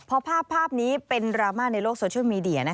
พอภาพนี้เป็นดราม่าในโลกโซเชียลมีเดีย